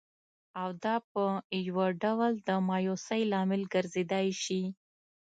او دا په یوه ډول د مایوسۍ لامل ګرځېدای شي